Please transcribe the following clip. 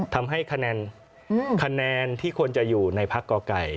ทำให้คะแนนที่ควรจะอยู่ในพักก่อไก่